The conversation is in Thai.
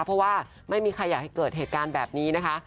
เพราะว่าไม่มีใครอยากให้เกิดเหตุการณ์แบบนี้นะคะ